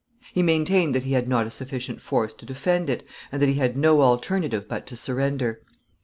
He maintained that he had not a sufficient force to defend it, and that he had no alternative but to surrender.